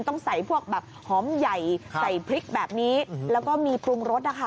ต้องใส่พวกแบบหอมใหญ่ใส่พริกแบบนี้แล้วก็มีปรุงรสนะคะ